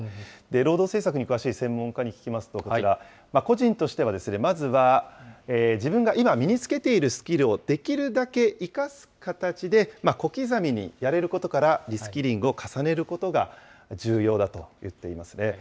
労働政策に詳しい専門家に聞きますと、こちら、個人としてはまずは、自分が今、身につけているスキルをできるだけ生かす形で小刻みにやれることからリスキリングを重ねることが重要だといっていますね。